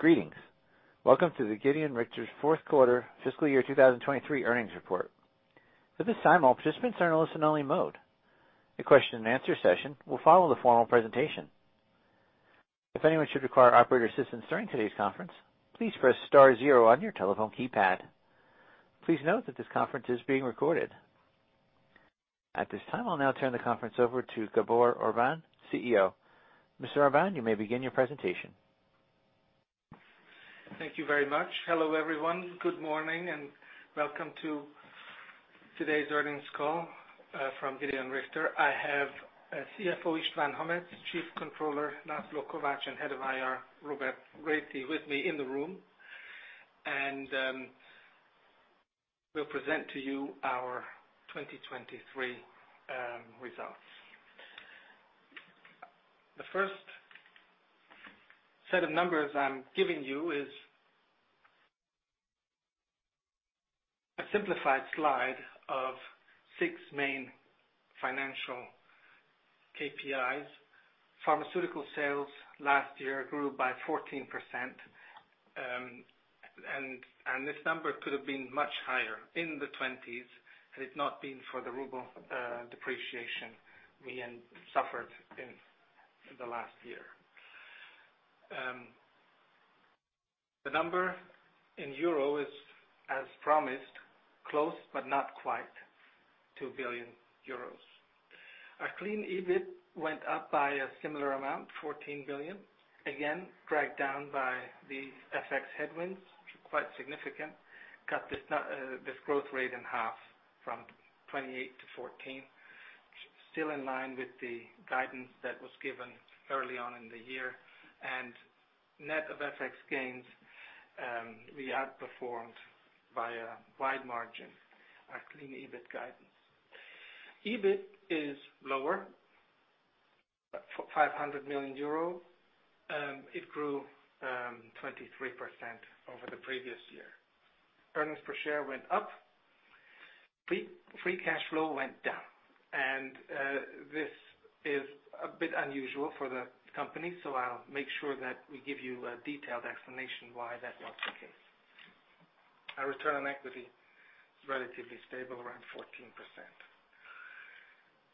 Greetings. Welcome to the Gedeon Richter's fourth quarter fiscal year 2023 earnings report. At this time, all participants are in a listen-only mode. A question-and-answer session will follow the formal presentation. If anyone should require operator assistance during today's conference, please press star zero on your telephone keypad. Please note that this conference is being recorded. At this time, I'll now turn the conference over to Gábor Orbán, CEO. Mr. Orbán, you may begin your presentation. Thank you very much. Hello, everyone. Good morning, and welcome to today's earnings call from Gedeon Richter. I have CFO István Hamecz, Chief Controller László Kovács, and Head of IR Róbert Réthy with me in the room, and we'll present to you our 2023 results. The first set of numbers I'm giving you is a simplified slide of six main financial KPIs. Pharmaceutical sales last year grew by 14%, and this number could have been much higher in the 20s had it not been for the ruble depreciation we suffered in the last year. The number in euro is, as promised, close but not quite to 1 billion euros. Our clean EBIT went up by a similar amount, 14 billion. Again, dragged down by the FX headwinds, quite significant, cut this growth rate in half from 28% to 14%, still in line with the guidance that was given early on in the year. Net of FX gains, we outperformed by a wide margin our clean EBIT guidance. EBIT is lower, but for EUR 500 million, it grew 23% over the previous year. Earnings per share went up. Free cash flow went down. This is a bit unusual for the company, so I'll make sure that we give you a detailed explanation why that was the case. Our return on equity is relatively stable, around 14%.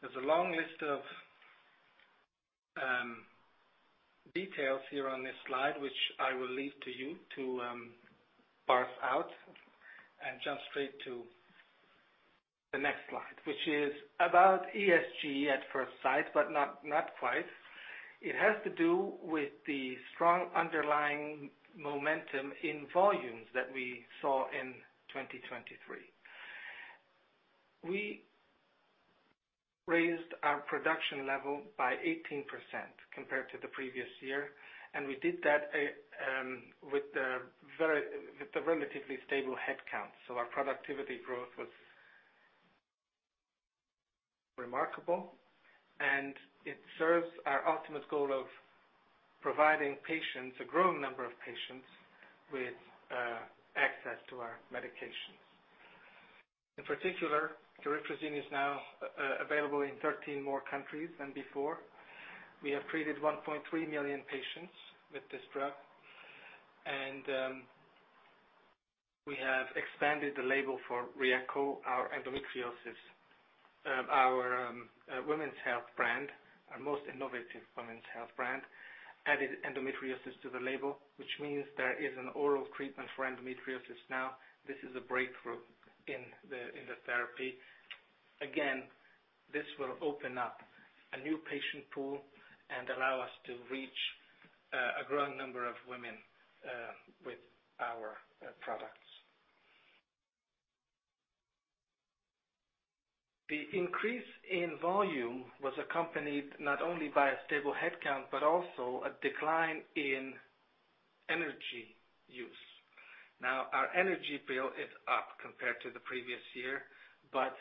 There's a long list of details here on this slide, which I will leave to you to parse out and jump straight to the next slide, which is about ESG at first sight, but not quite. It has to do with the strong underlying momentum in volumes that we saw in 2023. We raised our production level by 18% compared to the previous year, and we did that with a relatively stable headcount. So our productivity growth was remarkable, and it serves our ultimate goal of providing patients, a growing number of patients, with access to our medications. In particular, cariprazine is now available in 13 more countries than before. We have treated 1.3 million patients with this drug, and we have expanded the label forRYEQO, our endometriosis, our women's health brand, our most innovative women's health brand, added endometriosis to the label, which means there is an oral treatment for endometriosis now. This is a breakthrough in the therapy. Again, this will open up a new patient pool and allow us to reach a growing number of women with our products. The increase in volume was accompanied not only by a stable headcount but also a decline in energy use. Now, our energy bill is up compared to the previous year, but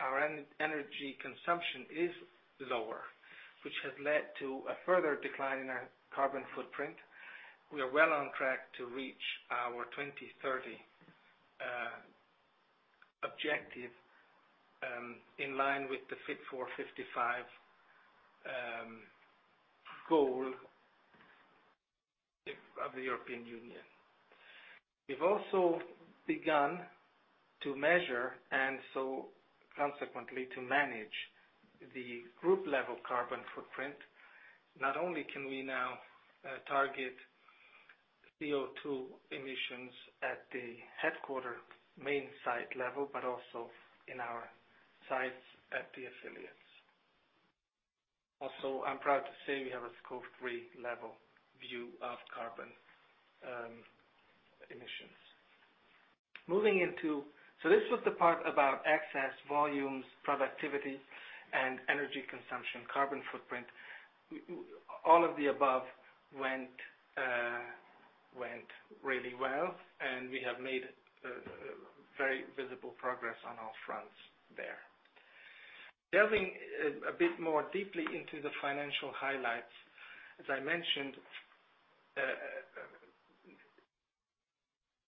our energy consumption is lower, which has led to a further decline in our carbon footprint. We are well on track to reach our 2030 objective in line with the Fit for 55 goal of the European Union. We've also begun to measure, and so consequently to manage, the group-level carbon footprint. Not only can we now target CO2 emissions at the headquarters main site level, but also in our sites at the affiliates. Also, I'm proud to say we have a Scope 3 level view of carbon emissions. Moving into so this was the part about access, volumes, productivity, and energy consumption, carbon footprint. All of the above went really well, and we have made very visible progress on all fronts there. Delving a bit more deeply into the financial highlights, as I mentioned,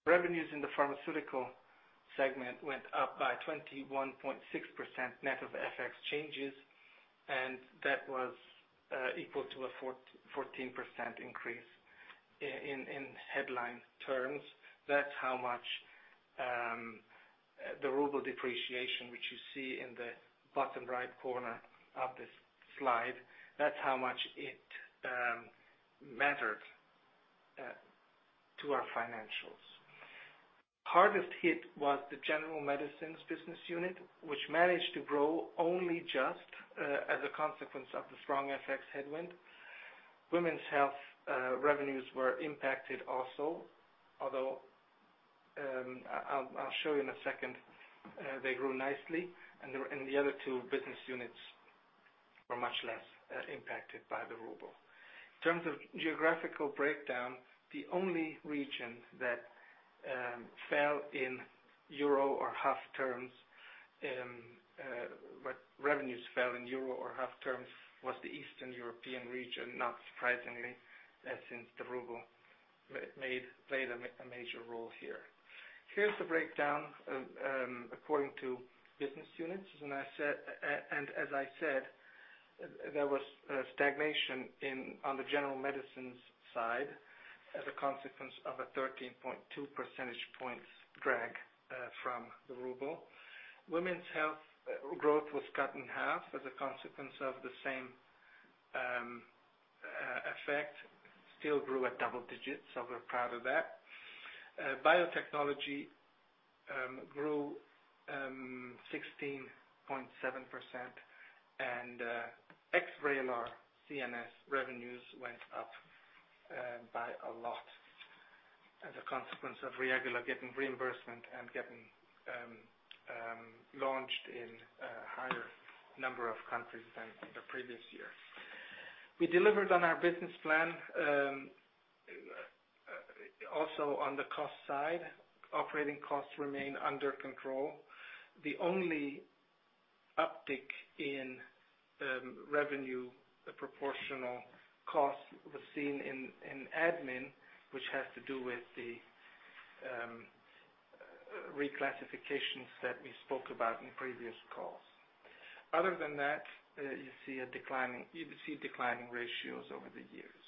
revenues in the Pharmaceutical segment went up by 21.6% net of FX changes, and that was equal to a 14% increase in headline terms. That's how much the ruble depreciation, which you see in the bottom right corner of this slide, that's how much it mattered to our financials. Hardest hit was the General Medicines Business Unit, which managed to grow only just as a consequence of the strong FX headwind. Women's Health revenues were impacted also, although I'll show you in a second they grew nicely, and the other two business units were much less impacted by the ruble. In terms of geographical breakdown, the only region that fell in EUR or H1 terms was the Eastern European region, not surprisingly, since the ruble played a major role here. Here's the breakdown according to business units. As I said, there was stagnation on the General Medicines side as a consequence of a 13.2 percentage point drag from the ruble. Women's Health growth was cut in half as a consequence of the same effect. Still grew at double digits, so we're proud of that. Biotechnology grew 16.7%, and VRAYLAR CNS revenues went up by a lot as a consequence of REAGILA getting reimbursement and getting launched in a higher number of countries than the previous year. We delivered on our business plan. Also on the cost side, operating costs remain under control. The only uptick in revenue proportional costs was seen in admin, which has to do with the reclassifications that we spoke about in previous calls. Other than that, you see declining ratios over the years.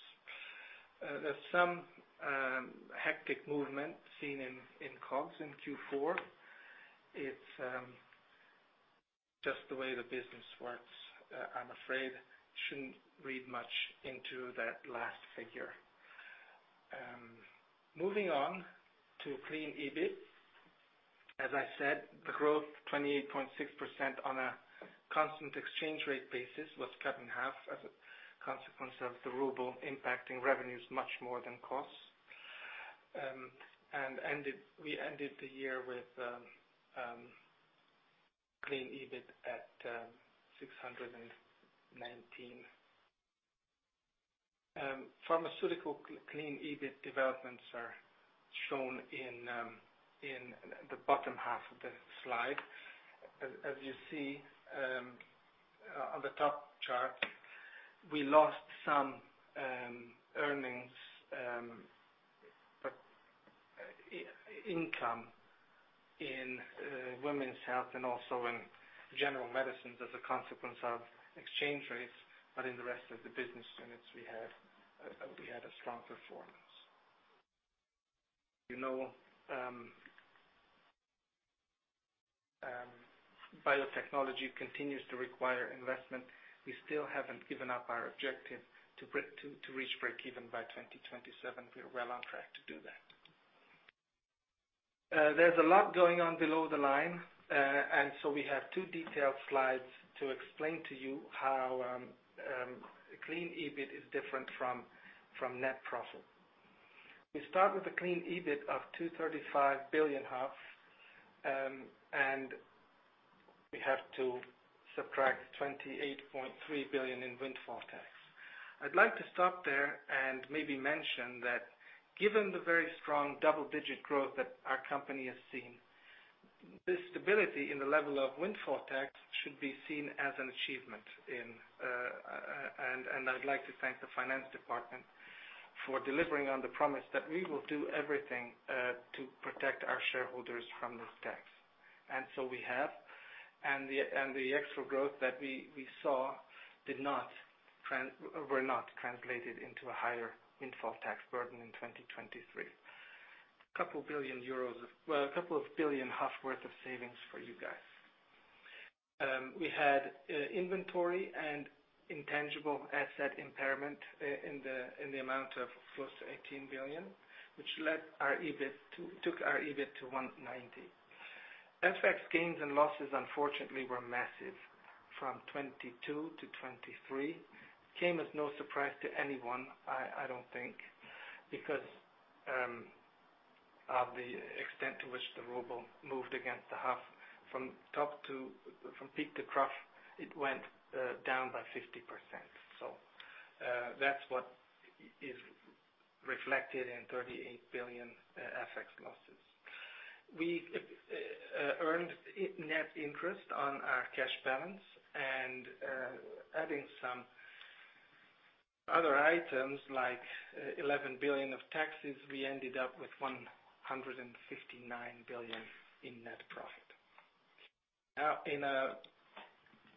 There's some hectic movement seen in COGS in Q4. It's just the way the business works. I'm afraid shouldn't read much into that last figure. Moving on to clean EBIT. As I said, the growth, 28.6% on a constant exchange rate basis, was cut in half as a consequence of the ruble impacting revenues much more than costs. We ended the year with clean EBIT at 236 billion. Pharmaceutical clean EBIT developments are shown in the bottom half of the slide. As you see on the top chart, we lost some earnings income in Women's Health and also in General Medicines as a consequence of exchange rates, but in the rest of the business units, we had a strong performance. You know Biotechnology continues to require investment. We still haven't given up our objective to reach breakeven by 2027. We are well on track to do that. There's a lot going on below the line, and so we have two detailed slides to explain to you how clean EBIT is different from net profit. We start with a clean EBIT of 235 billion, and we have to subtract 28.3 billion in windfall tax. I'd like to stop there and maybe mention that given the very strong double-digit growth that our company has seen, this stability in the level of windfall tax should be seen as an achievement. I'd like to thank the finance department for delivering on the promise that we will do everything to protect our shareholders from this tax. So we have, and the extra growth that we saw were not translated into a higher windfall tax burden in 2023. A couple of billion euros of well, a couple of billion HUF worth of savings for you guys. We had inventory and intangible asset impairment in the amount of close to 18 billion, which took our EBIT to 190 billion. FX gains and losses, unfortunately, were massive from 2022 to 2023. Came as no surprise to anyone, I don't think, because of the extent to which the ruble moved against the HUF. From peak to trough, it went down by 50%. So that's what is reflected in 38 billion FX losses. We earned net interest on our cash balance, and adding some other items like 11 billion of taxes, we ended up with 159 billion in net profit. Now,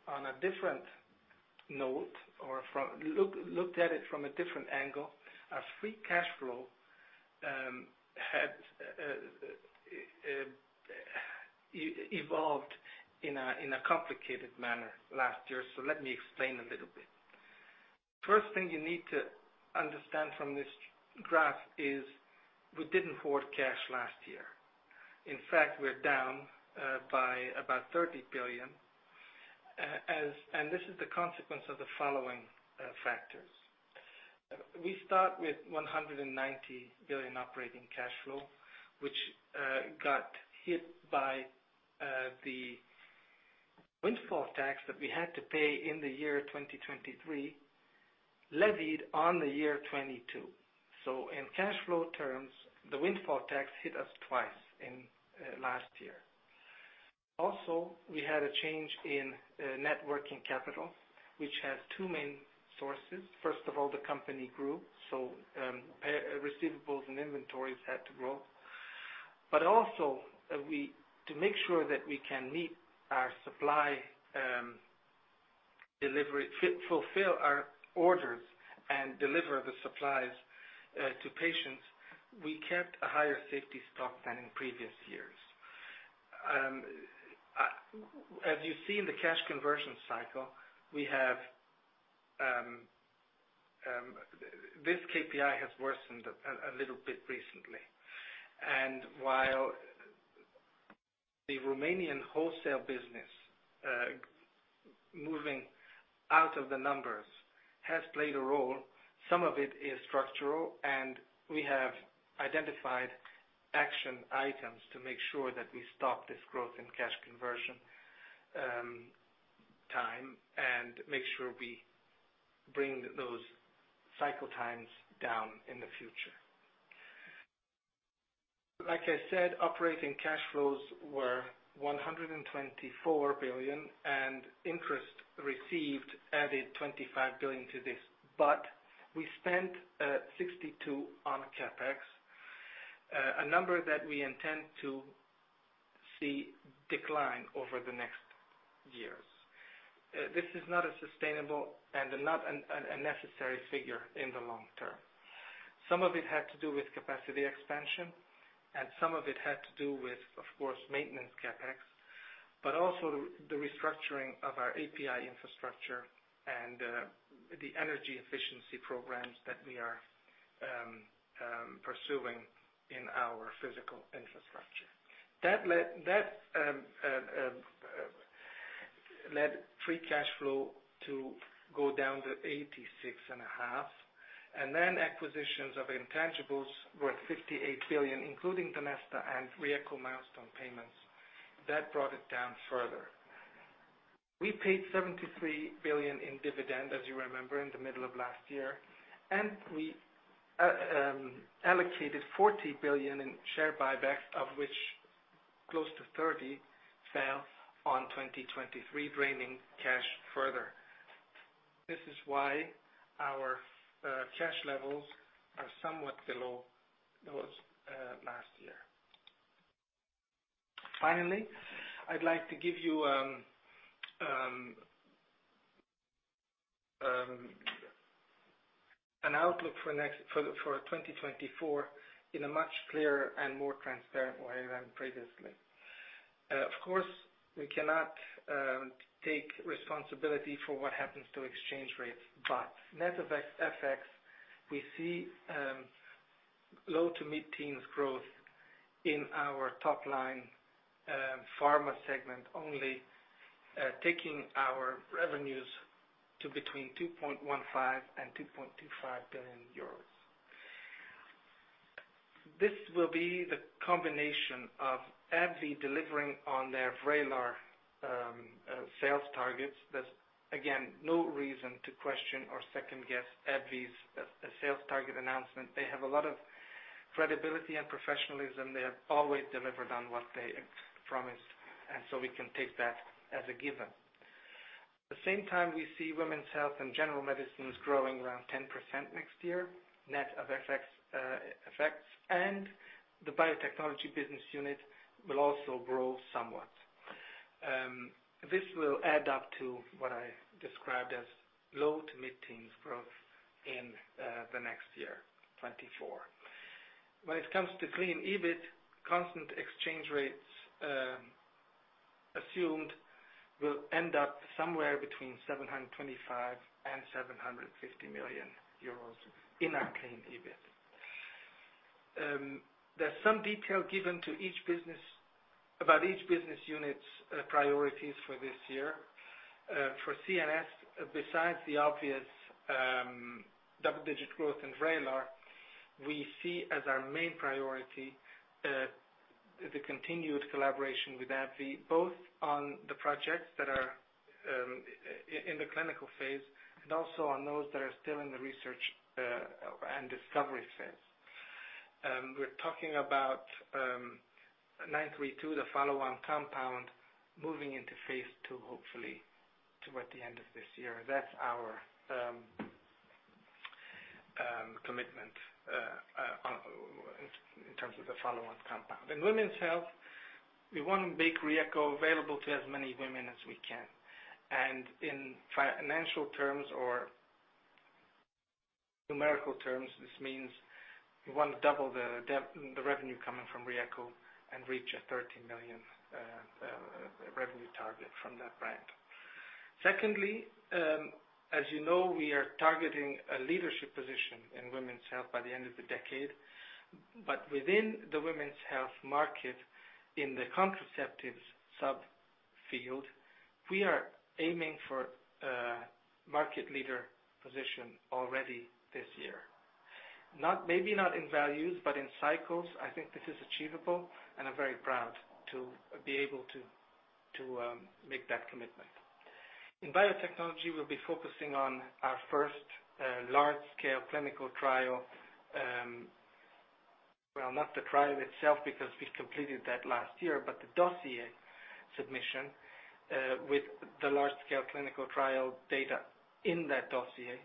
on a different note or looked at it from a different angle, our free cash flow evolved in a complicated manner last year, so let me explain a little bit. First thing you need to understand from this graph is we didn't hoard cash last year. In fact, we're down by about 30 billion, and this is the consequence of the following factors. We start with 190 billion operating cash flow, which got hit by the windfall tax that we had to pay in the year 2023 levied on the year 2022. So in cash flow terms, the windfall tax hit us twice last year. Also, we had a change in net working capital, which has two main sources. First of all, the company grew, so receivables and inventories had to grow. But also, to make sure that we can meet our supply delivery fulfill our orders and deliver the supplies to patients, we kept a higher safety stock than in previous years. As you see in the cash conversion cycle, this KPI has worsened a little bit recently. And while the Romanian wholesale business moving out of the numbers has played a role, some of it is structural, and we have identified action items to make sure that we stop this growth in cash conversion time and make sure we bring those cycle times down in the future. Like I said, operating cash flows were 124 billion, and interest received added 25 billion to this, but we spent 62 billion on CapEx, a number that we intend to see decline over the next years. This is not a sustainable and not a necessary figure in the long term. Some of it had to do with capacity expansion, and some of it had to do with, of course, maintenance CapEx, but also the restructuring of our API infrastructure and the energy efficiency programs that we are pursuing in our physical infrastructure. That led free cash flow to go down to 86.5 billion, and then acquisitions of intangibles worth 58 billion, including DONESTA and REAGILA milestone payments. That brought it down further. We paid 73 billion in dividend, as you remember, in the middle of last year, and we allocated 40 billion in share buybacks, of which close to 30 fell on 2023, draining cash further. This is why our cash levels are somewhat below those last year. Finally, I'd like to give you an outlook for 2024 in a much clearer and more transparent way than previously. Of course, we cannot take responsibility for what happens to exchange rates, but net of FX, we see low to mid-teens growth in our top line pharma segment only, taking our revenues to between 2.15 billion and 2.25 billion euros. This will be the combination of AbbVie delivering on their VRAYLAR sales targets. There's, again, no reason to question or second-guess AbbVie's sales target announcement. They have a lot of credibility and professionalism. They have always delivered on what they promised, and so we can take that as a given. At the same time, we see Women's Health and General Medicines growing around 10% next year net of FX effects, and the Biotechnology Business Unit will also grow somewhat. This will add up to what I described as low to mid-teens growth in the next year, 2024. When it comes to clean EBIT, constant exchange rates assumed will end up somewhere between 725 million and 750 million euros in our clean EBIT. There's some detail given about each business unit's priorities for this year. For CNS, besides the obvious double-digit growth in VRAYLAR, we see as our main priority the continued collaboration with AbbVie, both on the projects that are in the clinical phase and also on those that are still in the research and discovery phase. We're talking about 932, the follow-on compound, moving into phase II, hopefully, toward the end of this year. That's our commitment in terms of the follow-on compound. In Women's Health, we want to make RYEQO available to as many women as we can. And in financial terms or numerical terms, this means we want to double the revenue coming from RYEQO and reach a 30 million revenue target from that brand. Secondly, as you know, we are targeting a leadership position in Women's Health by the end of the decade, but within the Women's Health market in the contraceptives subfield, we are aiming for a market leader position already this year. Maybe not in values, but in cycles, I think this is achievable, and I'm very proud to be able to make that commitment. In Biotechnology, we'll be focusing on our first large-scale clinical trial. Well, not the trial itself because we completed that last year, but the dossier submission with the large-scale clinical trial data in that dossier.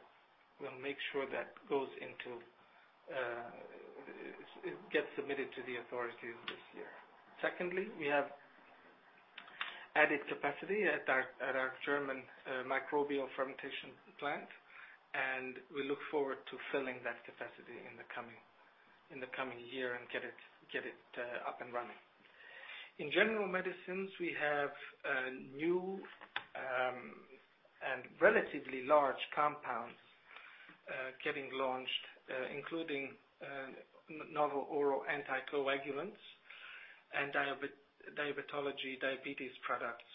We'll make sure that goes into it, gets submitted to the authorities this year. Secondly, we have added capacity at our German microbial fermentation plant, and we look forward to filling that capacity in the coming year and get it up and running. In General Medicines, we have new and relatively large compounds getting launched, including novel oral anticoagulants and diabetology products,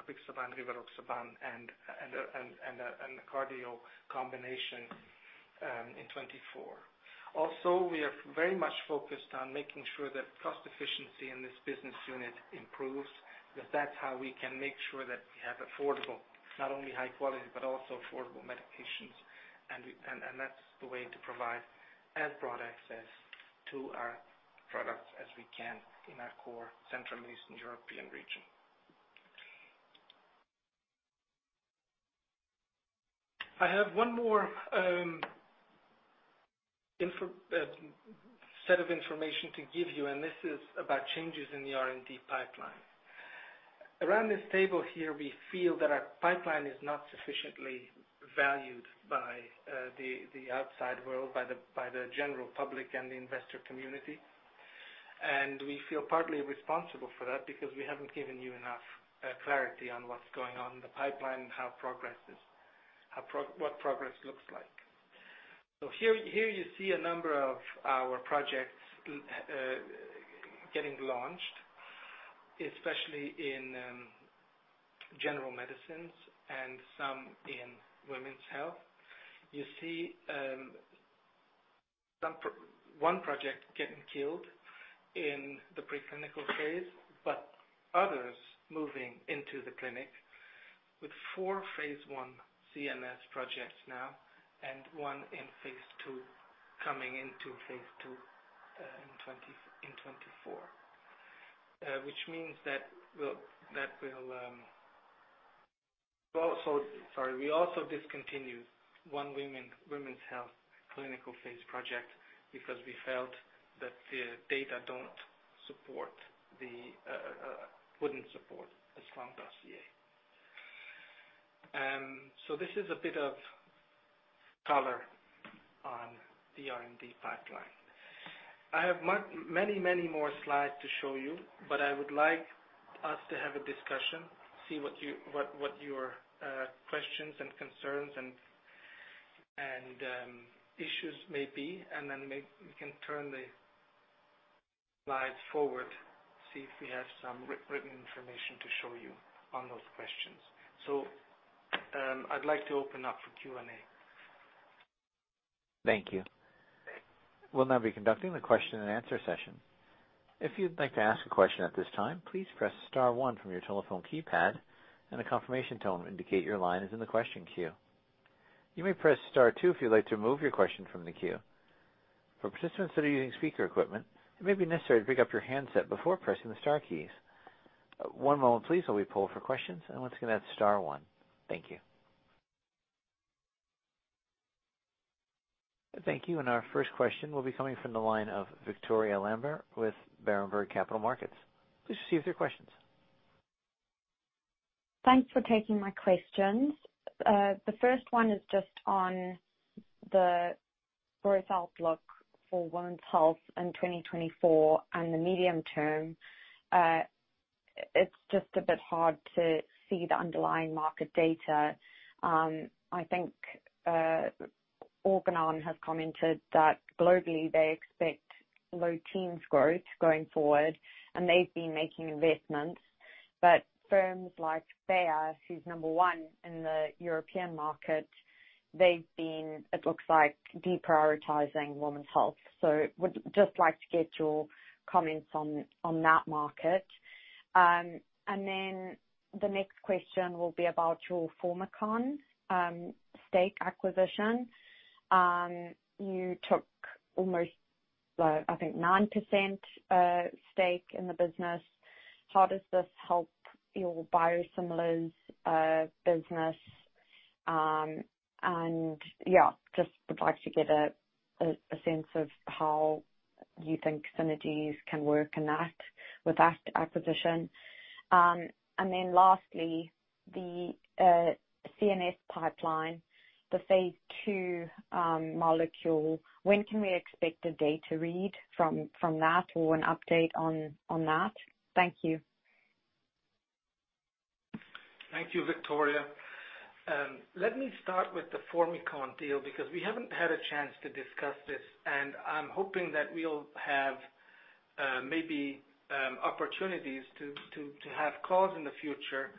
apixaban, rivaroxaban, and a cardio combination in 2024. Also, we are very much focused on making sure that cost efficiency in this business unit improves, because that's how we can make sure that we have affordable, not only high quality, but also affordable medications, and that's the way to provide as broad access to our products as we can in our core Central and Eastern European region. I have one more set of information to give you, and this is about changes in the R&D pipeline. Around this table here, we feel that our pipeline is not sufficiently valued by the outside world, by the general public and the investor community, and we feel partly responsible for that because we haven't given you enough clarity on what's going on in the pipeline and what progress looks like. Here you see a number of our projects getting launched, especially in General Medicines and some in Women's Health. You see one project getting killed in the preclinical phase, but others moving into the clinic with four phase I CNS projects now and one coming into phase II in 2024, which means that we'll sorry, we also discontinued one Women's Health clinical phase project because we felt that the data wouldn't support a strong dossier. This is a bit of color on the R&D pipeline. I have many, many more slides to show you, but I would like us to have a discussion, see what your questions and concerns and issues may be, and then we can turn the slides forward, see if we have some written information to show you on those questions. So I'd like to open up for Q&A. Thank you. We'll now be conducting the question-and-answer session. If you'd like to ask a question at this time, please press star one from your telephone keypad, and a confirmation tone will indicate your line is in the question queue. You may press star two if you'd like to remove your question from the queue. For participants that are using speaker equipment, it may be necessary to pick up your handset before pressing the star keys. One moment, please, while we pull for questions, and once again, that's star one. Thank you. Thank you. Our first question will be coming from the line of Victoria Lambert with Berenberg Capital Markets. Please proceed with your questions. Thanks for taking my questions. The first one is just on the growth outlook for Women's Health in 2024 and the medium term. It's just a bit hard to see the underlying market data. I think Organon has commented that globally, they expect low-teens growth going forward, and they've been making investments. But firms like Bayer, who's number one in the European market, they've been, it looks like, deprioritizing women's health. So I would just like to get your comments on that market. And then the next question will be about your Formycon stake acquisition. You took almost, I think, 9% stake in the business. How does this help your biosimilars business? And yeah, just would like to get a sense of how you think synergies can work with that acquisition. And then lastly, the CNS pipeline, the phase II molecule, when can we expect a data read from that or an update on that? Thank you. Thank you, Victoria. Let me start with the Formycon deal because we haven't had a chance to discuss this, and I'm hoping that we'll have maybe opportunities to have calls in the future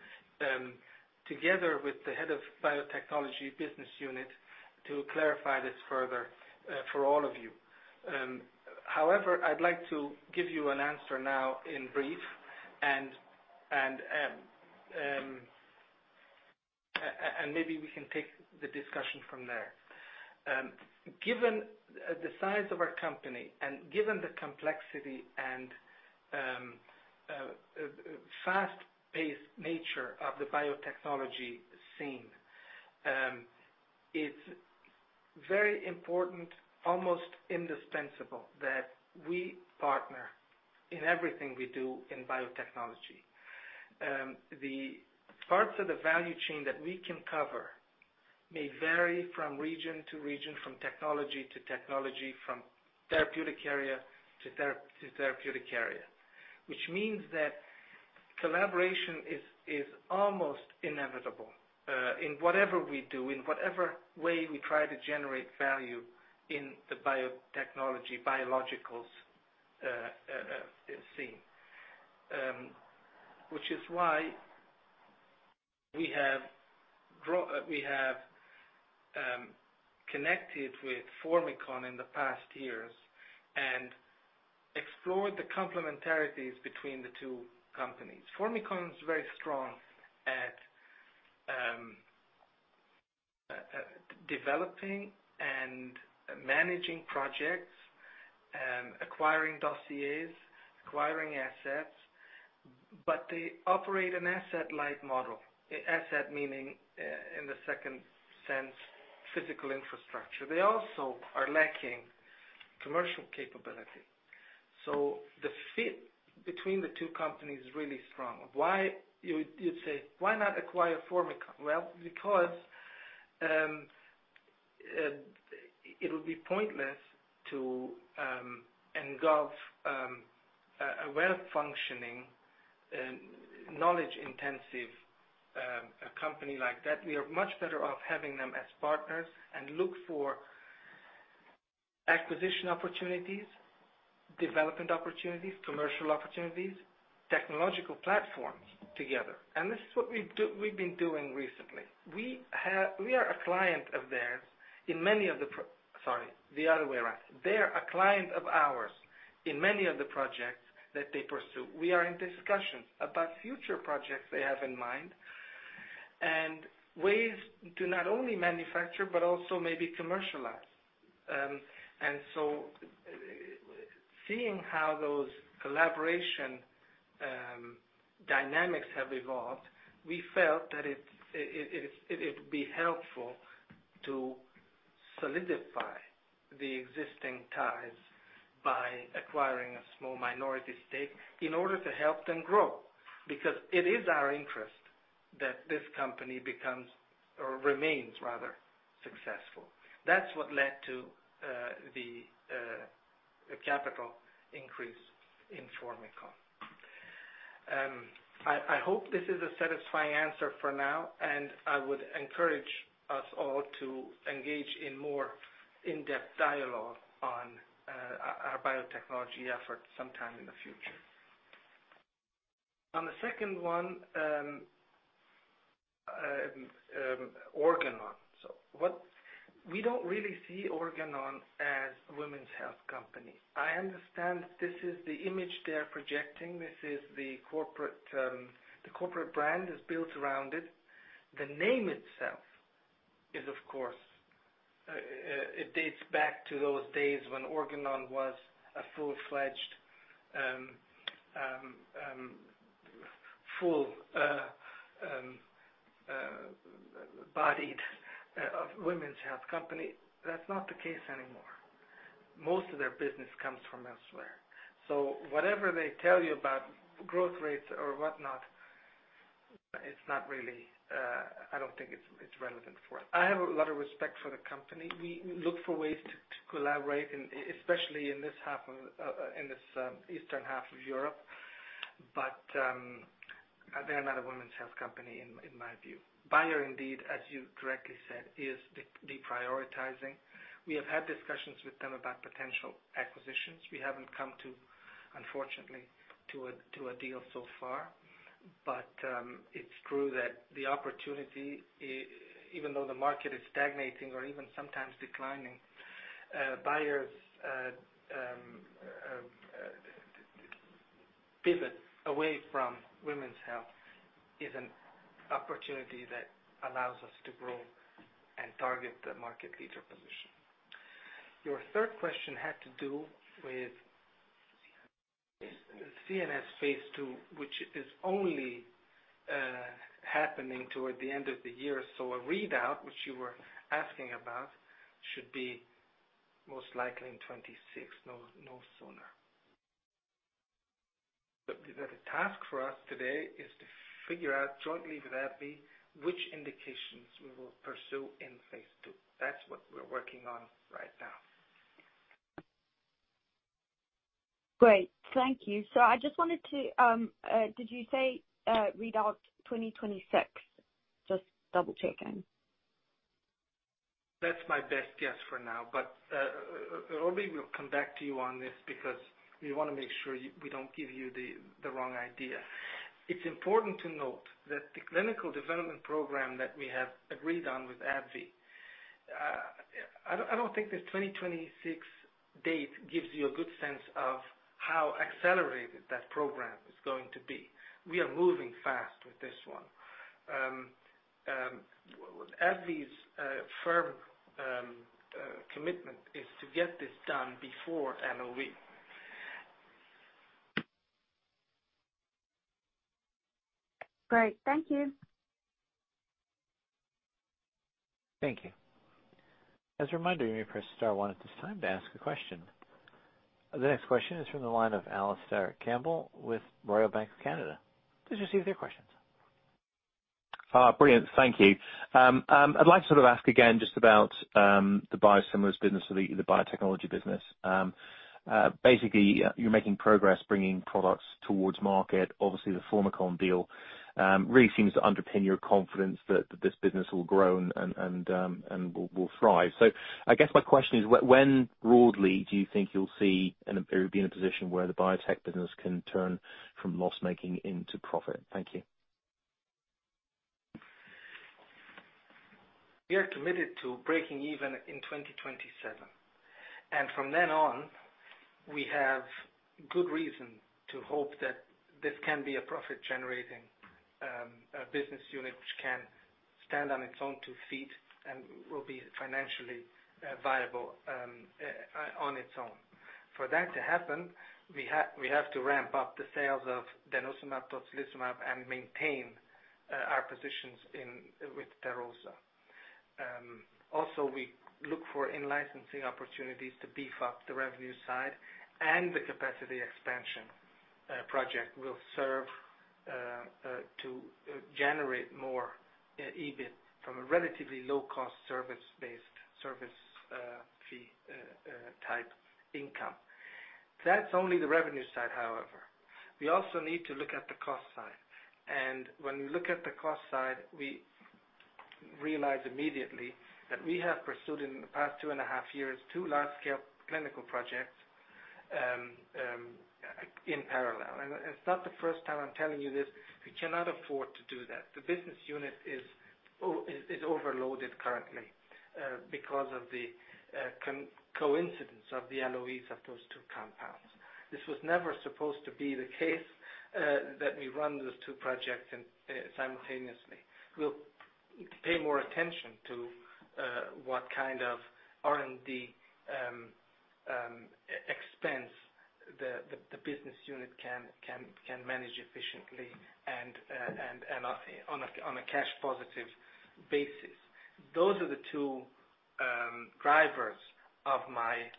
together with the head of Biotechnology Business Unit to clarify this further for all of you. However, I'd like to give you an answer now in brief, and maybe we can take the discussion from there. Given the size of our company and given the complexity and fast-paced nature of the biotechnology scene, it's very important, almost indispensable, that we partner in everything we do in biotechnology. The parts of the value chain that we can cover may vary from region to region, from technology to technology, from therapeutic area to therapeutic area, which means that collaboration is almost inevitable in whatever we do, in whatever way we try to generate value in the biotechnology biologicals scene, which is why we have connected with Formycon in the past years and explored the complementarities between the two companies. Formycon is very strong at developing and managing projects, acquiring dossiers, acquiring assets, but they operate an asset-like model, asset meaning in the second sense, physical infrastructure. They also are lacking commercial capability. So the fit between the two companies is really strong. You'd say, "Why not acquire Formycon?" Well, because it would be pointless to engulf a well-functioning, knowledge-intensive company like that. We are much better off having them as partners and look for acquisition opportunities, development opportunities, commercial opportunities, technological platforms together. And this is what we've been doing recently. We are a client of theirs in many of the sorry, the other way around. They're a client of ours in many of the projects that they pursue. We are in discussions about future projects they have in mind and ways to not only manufacture but also maybe commercialize. And so seeing how those collaboration dynamics have evolved, we felt that it would be helpful to solidify the existing ties by acquiring a small minority stake in order to help them grow because it is our interest that this company becomes or remains, rather, successful. That's what led to the capital increase in Formycon. I hope this is a satisfying answer for now, and I would encourage us all to engage in more in-depth dialogue on our Biotechnology efforts sometime in the future. On the second one, Organon. So we don't really see Organon as a women's health company. I understand this is the image they're projecting. The corporate brand is built around it. The name itself is, of course it dates back to those days when Organon was a full-fledged, full-bodied women's health company. That's not the case anymore. Most of their business comes from elsewhere. So whatever they tell you about growth rates or whatnot, it's not really I don't think it's relevant for us. I have a lot of respect for the company. We look for ways to collaborate, especially in this Eastern half of Europe, but they're not a women's health company in my view. Bayer, indeed, as you correctly said, is deprioritizing. We have had discussions with them about potential acquisitions. We haven't come to, unfortunately, to a deal so far, but it's true that the opportunity, even though the market is stagnating or even sometimes declining, Bayer's pivot away from women's health is an opportunity that allows us to grow and target the market leader position. Your third question had to do with CNS phase II, which is only happening toward the end of the year. So a readout, which you were asking about, should be most likely in 2026, no sooner. But the task for us today is to figure out, jointly with AbbVie, which indications we will pursue in phase II. That's what we're working on right now. Great. Thank you. So I just wanted to, did you say readout 2026? Just double-checking. That's my best guess for now, but Robi, we'll come back to you on this because we want to make sure we don't give you the wrong idea. It's important to note that the clinical development program that we have agreed on with Abby. I don't think this 2026 date gives you a good sense of how accelerated that program is going to be. We are moving fast with this one. Abby's firm commitment is to get this done before LOE. Great. Thank you. Thank you. As a reminder, you may press star one at this time to ask a question. The next question is from the line of Alistair Campbell with Royal Bank of Canada. Please receive their questions. Brilliant. Thank you. I'd like to sort of ask again just about the biosimilars business or the Biotechnology business. Basically, you're making progress bringing products towards market. Obviously, the Formycon deal really seems to underpin your confidence that this business will grow and will thrive. So I guess my question is, when, broadly, do you think you'll see it be in a position where the biotech business can turn from loss-making into profit? Thank you. We are committed to breaking even in 2027, and from then on, we have good reason to hope that this can be a profit-generating business unit which can stand on its own two feet and will be financially viable on its own. For that to happen, we have to ramp up the sales of denosumab, tocilizumab, and maintain our positions with Terrosa. Also, we look for in-licensing opportunities to beef up the revenue side, and the capacity expansion project will serve to generate more EBIT from a relatively low-cost service-based service fee type income. That's only the revenue side, however. We also need to look at the cost side, and when we look at the cost side, we realize immediately that we have pursued, in the past two and a half years, two large-scale clinical projects in parallel. It's not the first time I'm telling you this. We cannot afford to do that. The business unit is overloaded currently because of the coincidence of the LOEs of those two compounds. This was never supposed to be the case that we run those two projects simultaneously. We'll pay more attention to what kind of R&D expense the business unit can manage efficiently and on a cash-positive basis. Those are the two drivers of my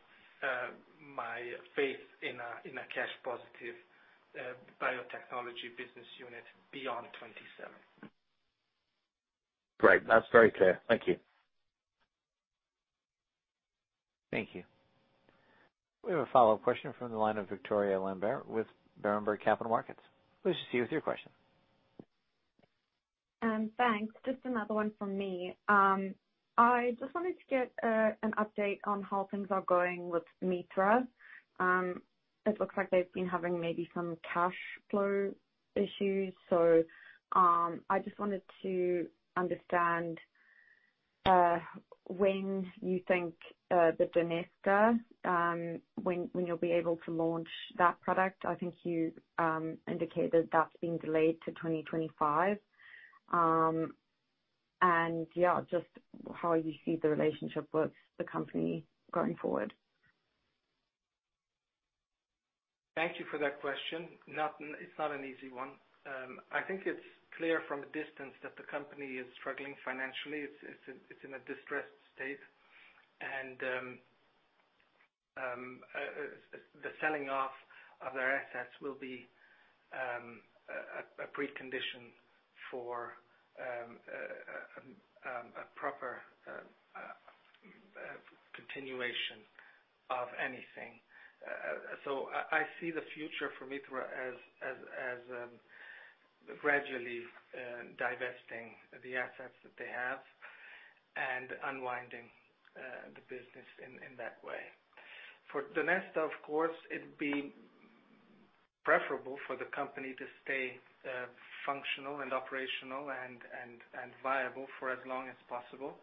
faith in a cash-positive Biotechnology Business Unit beyond 2027. Great. That's very clear. Thank you. Thank you. We have a follow-up question from the line of Victoria Lambert with Barenberg Capital Markets. Please receive your question. Thanks. Just another one from me. I just wanted to get an update on how things are going with Mithra. It looks like they've been having maybe some cash flow issues, so I just wanted to understand when you think the DONESTA, when you'll be able to launch that product. I think you indicated that's being delayed to 2025, and yeah, just how you see the relationship with the company going forward. Thank you for that question. It's not an easy one. I think it's clear from a distance that the company is struggling financially. It's in a distressed state, and the selling off of their assets will be a precondition for a proper continuation of anything. So I see the future for Mithra as gradually divesting the assets that they have and unwinding the business in that way. For DONESTA, of course, it'd be preferable for the company to stay functional and operational and viable for as long as possible.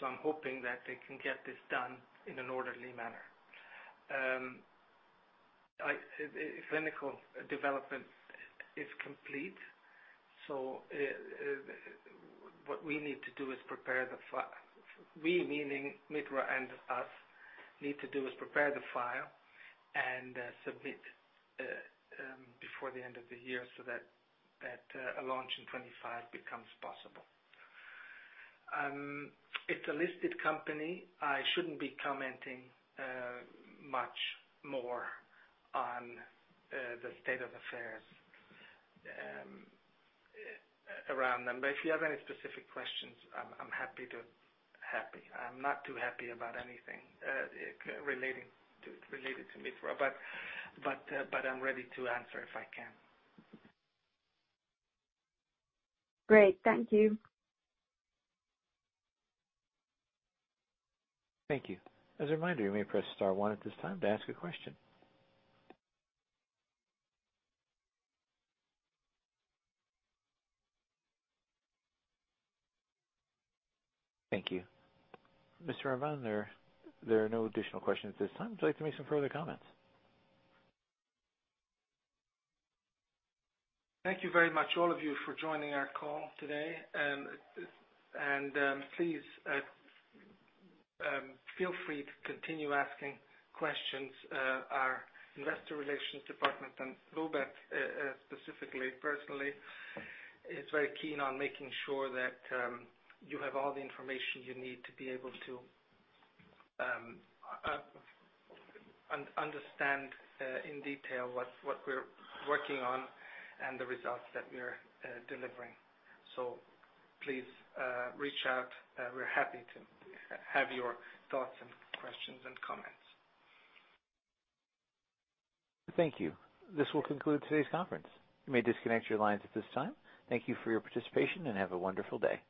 So I'm hoping that they can get this done in an orderly manner. Clinical development is complete, so what we, meaning Mithra and us, need to do is prepare the file and submit before the end of the year so that a launch in 2025 becomes possible. It's a listed company. I shouldn't be commenting much more on the state of affairs around them, but if you have any specific questions, I'm happy to help. I'm not too happy about anything related to Mithra, but I'm ready to answer if I can. Great. Thank you. Thank you. As a reminder, you may press star one at this time to ask a question. Thank you. Mr. Orbán, there are no additional questions at this time. Would you like to make some further comments? Thank you very much, all of you, for joining our call today, and please feel free to continue asking questions. Our investor relations department, and Róbert specifically, personally, is very keen on making sure that you have all the information you need to be able to understand in detail what we're working on and the results that we are delivering. So please reach out. We're happy to have your thoughts and questions and comments. Thank you. This will conclude today's conference. You may disconnect your lines at this time. Thank you for your participation, and have a wonderful day.